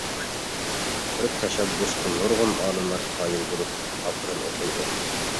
بۇ تەشەببۇسقا نۇرغۇن ئالىملار قايىل بولۇپ ئاپىرىن ئوقۇيدۇ.